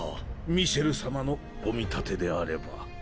ミシェル様のお見立てであれば。